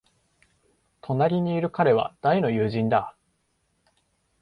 隣にいる彼は大の友人だ。